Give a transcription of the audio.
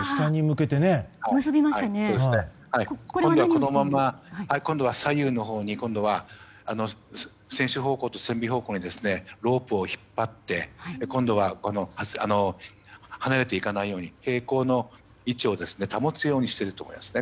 このまま、今度は左右のほうに船首方向と船尾方向にロープを引っ張って今度は離れていかないように平行の位置を保つようにしていると思います。